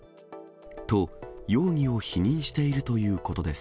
と、容疑を否認しているということです。